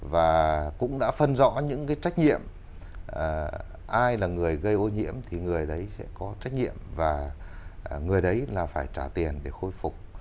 và cũng đã phân rõ những cái trách nhiệm ai là người gây ô nhiễm thì người đấy sẽ có trách nhiệm và người đấy là phải trả tiền để khôi phục